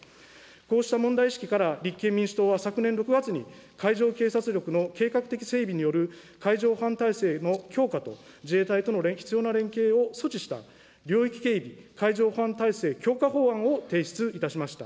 こうした問題意識から、立憲民主党は昨年６月に、海上警察力の計画的整備による海上保安体制の強化と、自衛隊との必要な連携を措置した、領域警備・海上保安体制強化法案を提出いたしました。